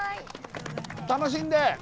楽しんで。